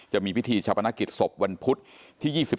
จะมีพิธีภาพนักศพสมในวันพุธที่๒๗